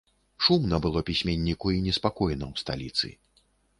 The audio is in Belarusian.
Шумна было пісьменніку і неспакойна ў сталіцы.